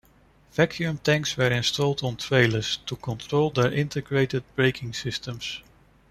Vacuum tanks were installed on trailers to control their integrated braking systems.